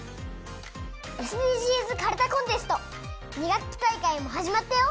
ＳＤＧｓかるたコンテスト２学期大会もはじまったよ。